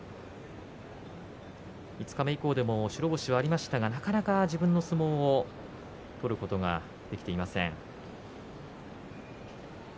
五日目以降も白星はありましたがなかなか自分の相撲を取ることができていません。